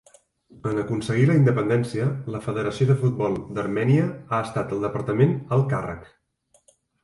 En aconseguir la independència, la Federació de Futbol d'Armènia ha estat el departament al càrrec.